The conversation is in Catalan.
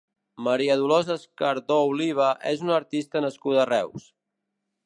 Maria Dolors Escardó Oliva és una artista nascuda a Reus.